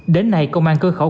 đến nay công an cửa khẩu